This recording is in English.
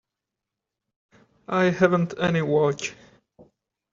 I haven't any watch.